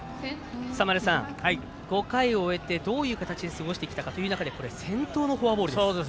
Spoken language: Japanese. ５回を終えてどういう形で過ごしてきたかという中で先頭のフォアボールです。